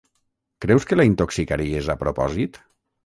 Creus que la intoxicaries a propòsit?